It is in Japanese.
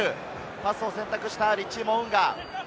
パスを選択したリッチー・モウンガ。